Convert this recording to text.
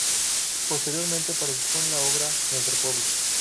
Posteriormente participó en la obra "Nuestro pueblo".